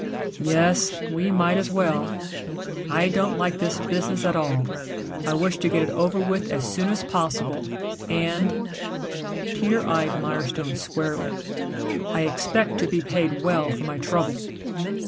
"Yes, we might as well. I don't like this business at all. I wish to get it over with as soon as possible, and " Peter eyed Mirestone squarely. "I expect to be paid well for my trouble."